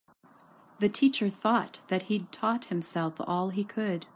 The teacher thought that he'd taught himself all he could.